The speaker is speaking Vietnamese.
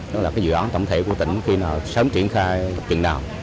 đó là cái dự án tổng thể của tỉnh khi nào sớm triển khai chừng nào